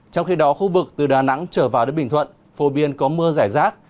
trong khi đó khu vực từ đà nẵng trở vào đến bình thuận phổ biến có mưa rải rác